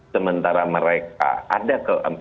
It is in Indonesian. sementara mereka ada